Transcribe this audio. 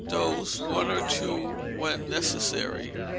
Dose, one or two when necessary.